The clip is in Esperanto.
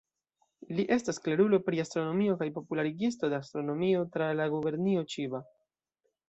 Li estas klerulo pri astronomio kaj popularigisto de astronomio tra la gubernio Ĉiba.